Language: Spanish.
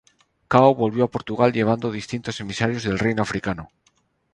Cão volvió a Portugal llevando distintos emisarios del reino africano.